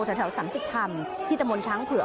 สันติธรรมที่ตะมนต์ช้างเผือก